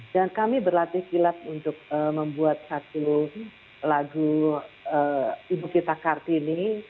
dan kami berlatih kilat untuk membuat satu lagu ibu kita kartini